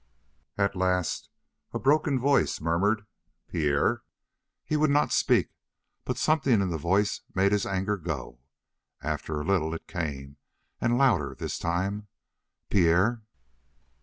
At last a broken voice murmured: "Pierre!" He would not speak, but something in the voice made his anger go. After a little it came, and louder this time: "Pierre?"